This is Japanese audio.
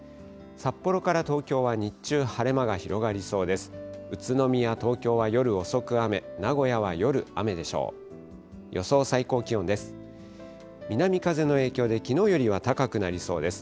札幌から東京は日中、晴れ間が広がりそうです。